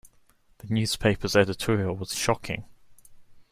The newspaper's editorial was shocking.